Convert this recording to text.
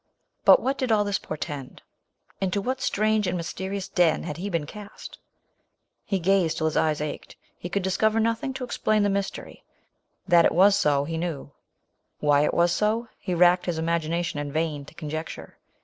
But what did all this portend ? Into what strange and mysterious den had he been cast ? He gazed till his eyes ached ; he could discover nothing to explain the mys tery. That it was so, he knew. Why lt«jras so, he racked his imagination in vain to conjecture.